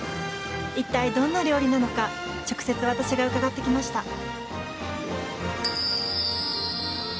一体どんな料理なのか直接私が伺ってきました。